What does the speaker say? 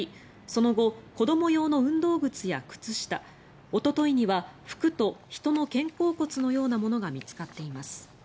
その後、子ども用の運動靴や靴下おとといには服と人の肩甲骨のようなものが見つかっています。